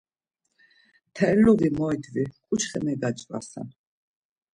Terluği moydvi, ǩuçxes megaç̌vasen.